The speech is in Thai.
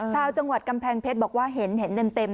ชาวจังหวัดกำแพงเพชรบอกว่าเห็นเต็ม